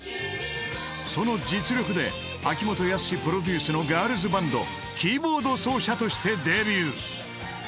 ［その実力で秋元康プロデュースのガールズバンドキーボード奏者としてデビュー］